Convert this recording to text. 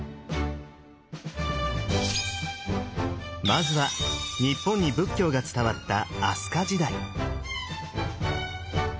まずは日本に仏教が伝わった飛鳥時代。